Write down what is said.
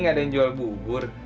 gak ada yang jual bubur